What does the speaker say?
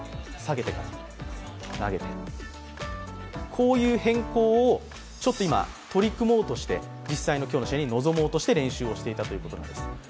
こういう変更をちょっと今取り組もうとして実際に今日の練に臨もうとして練習をしていたということです。